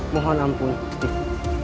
mohon ampun gusih prabu